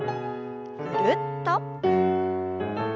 ぐるっと。